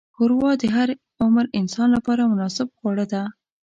ښوروا د هر عمر انسان لپاره مناسب خواړه ده.